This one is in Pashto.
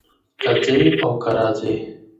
کۀ ځي او کۀ راځي